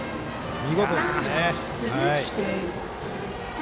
見事ですね。